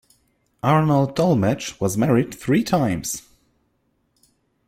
Arnold Dolmetsch was married three times.